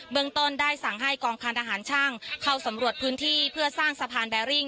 เมืองต้นได้สั่งให้กองพันธหารช่างเข้าสำรวจพื้นที่เพื่อสร้างสะพานแบริ่ง